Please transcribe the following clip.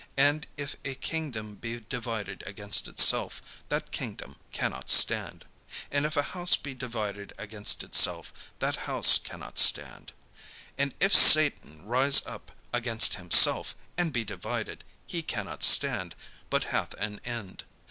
And if a kingdom be divided against itself, that kingdom cannot stand. And if a house be divided against itself, that house cannot stand. And if Satan rise up against himself, and be divided, he cannot stand, but hath an end.